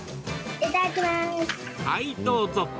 はい、どうぞ。